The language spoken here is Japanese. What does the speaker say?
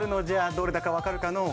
どれだか分かるかのう？